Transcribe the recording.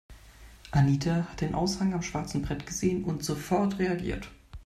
Anita hat den Aushang am schwarzen Brett gesehen und sofort reagiert.